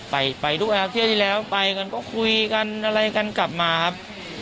ไปไปด้วยครับเที่ยวที่แล้วไปกันก็คุยกันอะไรกันกลับมาครับ